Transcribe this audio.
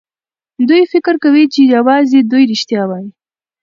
دوی فکر کوي چې يوازې دوی رښتيا وايي.